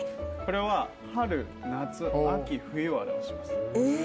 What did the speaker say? これは春夏秋冬を表します。